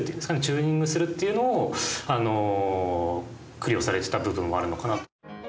チューニングするっていうのをあの苦慮されてた部分はあるのかなと。